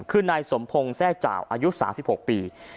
คือนายสมพงศ์แทร่จ่าวอายุ๓๖ปี